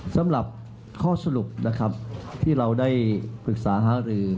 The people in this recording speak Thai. สำหรับข้อสรุปนะครับที่เราได้ปรึกษาหารือ